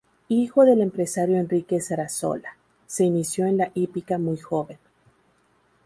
Hijo del empresario Enrique Sarasola, se inició en la hípica muy joven.